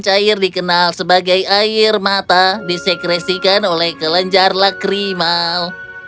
cair dikenal sebagai air mata disekresikan oleh kelenjar lakrimal